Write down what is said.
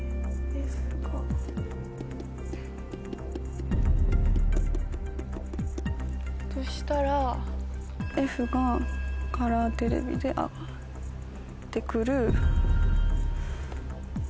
Ｆが。としたらＦがカラーテレビで上がって来る。